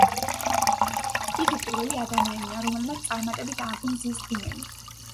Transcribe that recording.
იგი პირველი ადამიანია, რომელმაც წარმატებით ააგო მზის ღუმელი.